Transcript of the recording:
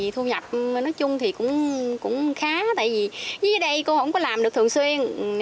thu nhập nói chung thì cũng khá tại vì dưới đây cô không có làm được thường xuyên